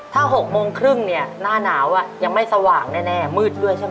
ถ้า๖โมงครึ่งเนี่ยหน้าหนาวยังไม่สว่างแน่มืดด้วยใช่ไหม